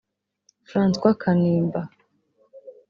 François Kanimba